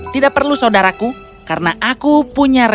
tidak perlu saudaraku karena aku punya rasa